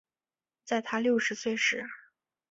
在她六十岁时